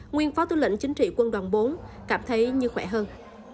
nguyên phó tư lệnh chính trị quân đoàn bốn cảm thấy như khỏe hơn